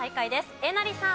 えなりさん。